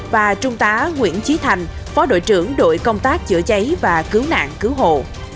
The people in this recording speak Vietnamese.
và trung tá nguyễn trí thành phó đội trưởng đội công tác chữa cháy và cứu nạn cứu hộ